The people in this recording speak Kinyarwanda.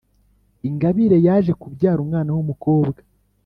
ingabire yaje kubyara umwana w’umukobwa;